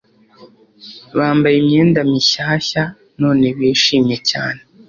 bambaye imyenda mishyashya none bishimye cyane